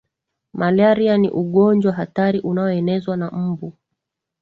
malaria ni ugonjwa hatari unaonezwa na mbu